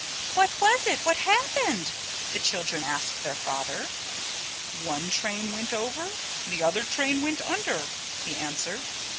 "What was it what happened?" the children asked their father. "One train went over, the other train went under," he answered.